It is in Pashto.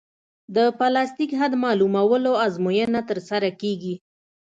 د پلاستیک حد معلومولو ازموینه ترسره کیږي